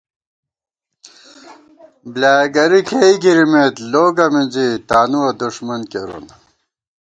بۡلیایہ گری کېئی گِرِمېت لوگہ مِنزی تانُوَہ دݭمن کېرون